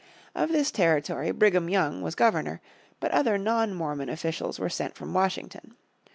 Of this territory Brigham Young was Governor, but other non Mormon officials were sent from Washington.